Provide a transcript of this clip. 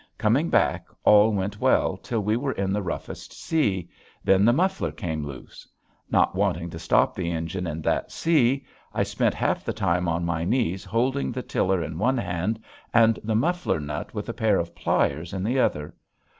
Coming back all went well till we were in the roughest sea; then the muffler came loose. Not wanting to stop the engine in that sea I spent half the time on my knees holding the tiller in one hand and the muffler nut with a pair of pliers in the other.